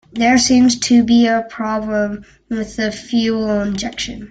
There seems to be a problem with the fuel injection.